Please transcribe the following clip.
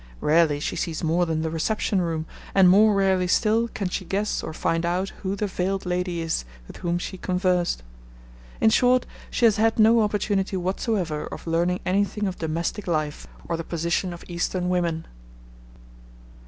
Rarely she sees more than the reception room, and more rarely still can she guess or find out who the veiled lady is with whom she conversed. In short, she has had no opportunity whatsoever of learning anything of domestic life, or the position of Eastern women.